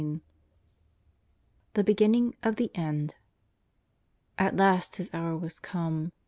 THE BEGINNING OF THE END. At last His hour was come.